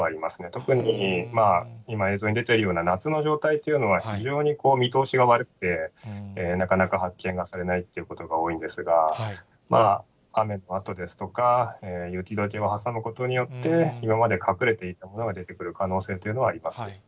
特に、今、映像に出ているような夏の状態っていうのは、非常に見通しが悪くて、なかなか発見がされないということが多いんですが、雨のあとですとか、雪どけを挟むことによって、今まで隠れていたものが出てくる可能性というのはあります。